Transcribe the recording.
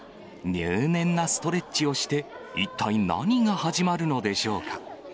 入念なストレッチをして、一体何が始まるのでしょうか。